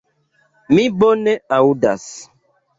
Mi bone aŭdas.